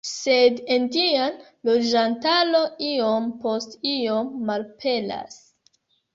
Sed indiana loĝantaro iom post iom malaperas.